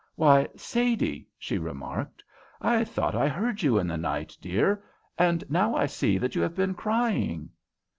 "Why, Sadie," she remarked, "I thought I heard you in the night, dear, and now I see that you have been crying."